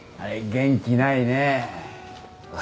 元気ないね。